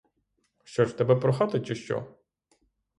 Що ж, тебе прохати, чи що?